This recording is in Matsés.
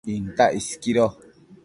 Intac isquido